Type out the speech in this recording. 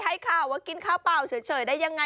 ให้ข่าวว่ากินข้าวเปล่าเฉยได้อย่างไร